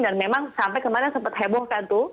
dan memang sampai kemarin sempat heboh kan tuh